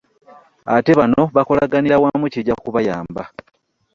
Ate bano bakolaganira wamu kijja kubayamba .